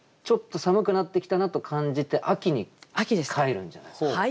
ちょっと寒くなってきたなと感じて秋に帰るんじゃないですか？